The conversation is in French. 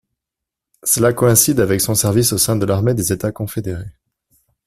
Cela coïncide avec son service au sein de l'armée des États confédérés.